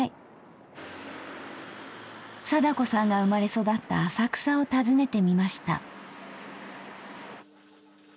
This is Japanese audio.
貞子さんが生まれ育った浅草を訪ねてみました。